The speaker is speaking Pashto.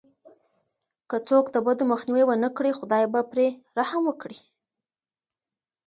که څوک د بدو مخنيوی ونه کړي، خداي به پرې رحم وکړي.